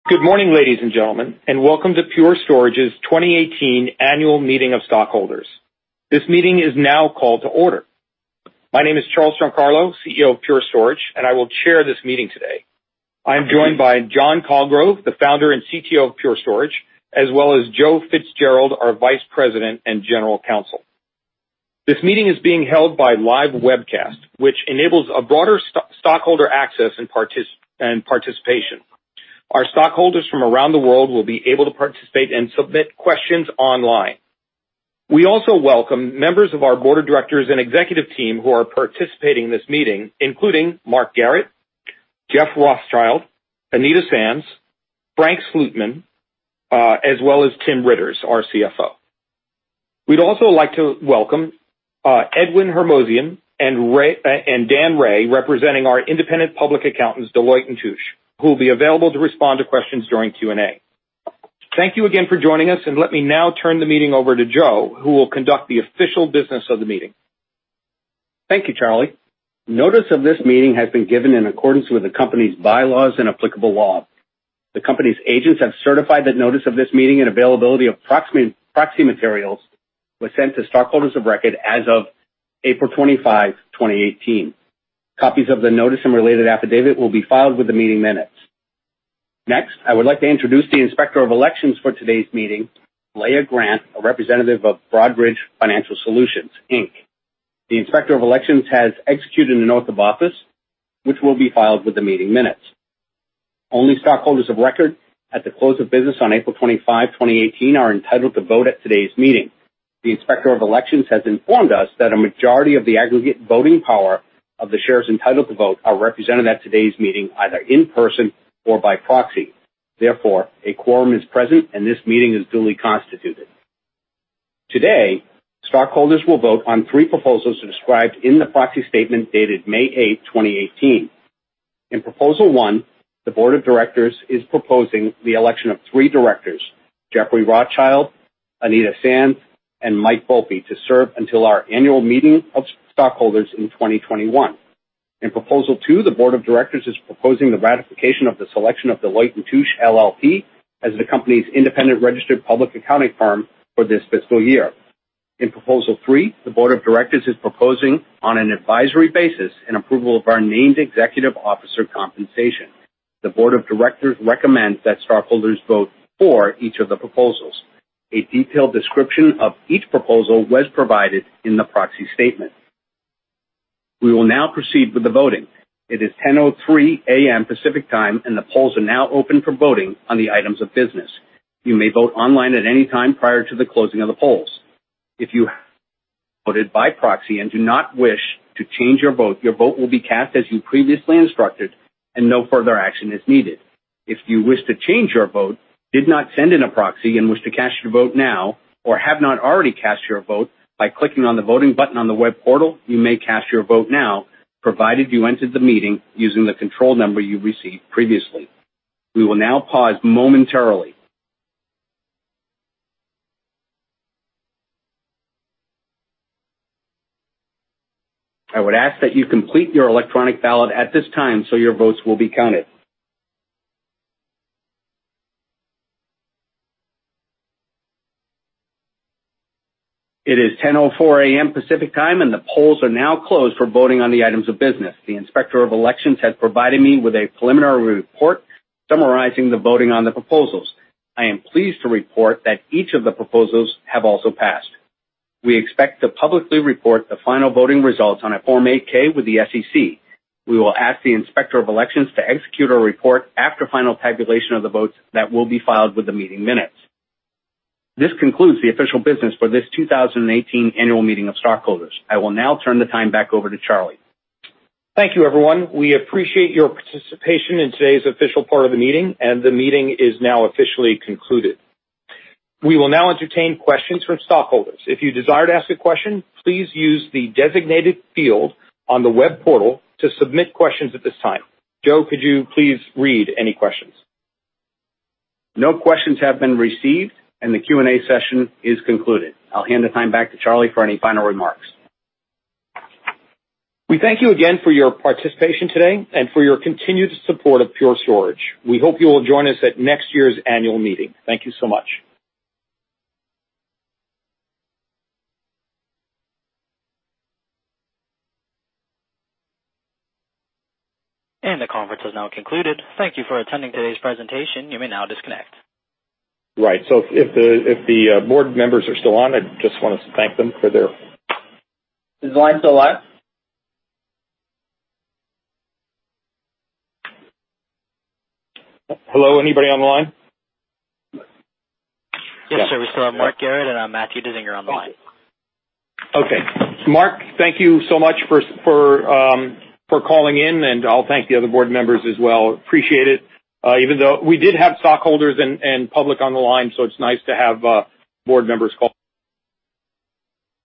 Good morning, ladies and gentlemen, welcome to Pure Storage's 2018 annual meeting of stockholders. This meeting is now called to order. My name is Charles Giancarlo, CEO of Pure Storage, I will chair this meeting today. I'm joined by John Colgrove, the founder and CTO of Pure Storage, as well as Joseph FitzGerald, our vice president and general counsel. This meeting is being held by live webcast, which enables a broader stockholder access and participation. Our stockholders from around the world will be able to participate and submit questions online. We also welcome members of our board of directors and executive team who are participating in this meeting, including Mark Garrett, Jeff Rothschild, Anita Sands, Frank Slootman, as well as Tim Riitters, our CFO. We'd also like to welcome Edwin Hormozian and Dan Ray, representing our independent public accountants, Deloitte & Touche, who will be available to respond to questions during Q&A. Thank you again for joining us, let me now turn the meeting over to Joe, who will conduct the official business of the meeting. Thank you, Charlie. Notice of this meeting has been given in accordance with the company's bylaws and applicable law. The company's agents have certified that notice of this meeting and availability of proxy materials was sent to stockholders of record as of April 25, 2018. Copies of the notice and related affidavit will be filed with the meeting minutes. Next, I would like to introduce the Inspector of Elections for today's meeting, Leah Grant, a representative of Broadridge Financial Solutions, Inc. The Inspector of Elections has executed an oath of office, which will be filed with the meeting minutes. Only stockholders of record at the close of business on April 25, 2018 are entitled to vote at today's meeting. The Inspector of Elections has informed us that a majority of the aggregate voting power of the shares entitled to vote are represented at today's meeting, either in person or by proxy. Therefore, a quorum is present, this meeting is duly constituted. Today, stockholders will vote on three proposals described in the proxy statement dated May 8, 2018. In Proposal One, the board of directors is proposing the election of three directors, Jeffrey Rothschild, Anita Sands, and Michelangelo Volpi, to serve until our annual meeting of stockholders in 2021. In Proposal Two, the board of directors is proposing the ratification of the selection of Deloitte & Touche LLP as the company's independent registered public accounting firm for this fiscal year. In Proposal Three, the board of directors is proposing, on an advisory basis, an approval of our named executive officer compensation. The board of directors recommends that stockholders vote for each of the proposals. A detailed description of each proposal was provided in the proxy statement. We will now proceed with the voting. It is 10:03 A.M. Pacific Time, and the polls are now open for voting on the items of business. You may vote online at any time prior to the closing of the polls. If you voted by proxy and do not wish to change your vote, your vote will be cast as you previously instructed, and no further action is needed. If you wish to change your vote, did not send in a proxy, and wish to cast your vote now, or have not already cast your vote by clicking on the voting button on the web portal, you may cast your vote now, provided you entered the meeting using the control number you received previously. We will now pause momentarily. I would ask that you complete your electronic ballot at this time so your votes will be counted. It is 10:04 A.M. Pacific Time, and the polls are now closed for voting on the items of business. The Inspector of Elections has provided me with a preliminary report summarizing the voting on the proposals. I am pleased to report that each of the proposals have also passed. We expect to publicly report the final voting results on a Form 8-K with the SEC. We will ask the Inspector of Elections to execute a report after final tabulation of the votes that will be filed with the meeting minutes. This concludes the official business for this 2018 annual meeting of stockholders. I will now turn the time back over to Charlie. Thank you, everyone. We appreciate your participation in today's official part of the meeting, and the meeting is now officially concluded. We will now entertain questions from stockholders. If you desire to ask a question, please use the designated field on the web portal to submit questions at this time. Joe, could you please read any questions? No questions have been received, and the Q&A session is concluded. I'll hand the time back to Charlie for any final remarks. We thank you again for your participation today and for your continued support of Pure Storage. We hope you will join us at next year's annual meeting. Thank you so much. The conference is now concluded. Thank you for attending today's presentation. You may now disconnect. Right. If the board members are still on, I just want us to thank them for their. Is the line still live? Hello, anybody on the line? Yes, sir. We still have Mark Garrett and [Matthew Danziger] on the line. Okay. Mark, thank you so much for calling in, and I'll thank the other board members as well. Appreciate it. We did have stockholders and public on the line, so it's nice to have board members call.